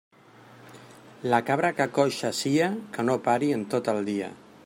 La cabra que coixa sia, que no pari en tot el dia.